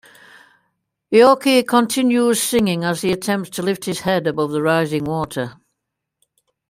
Yorke continues singing as he attempts to lift his head above the rising water.